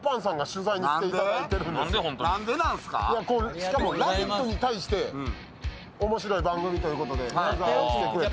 しかも「ラヴィット！」に対して面白い番組ということで来てくれて。